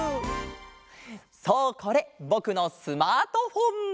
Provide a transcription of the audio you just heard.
そうこれぼくのスマートフォン！